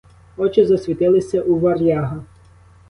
Очі засвітилися у варяга.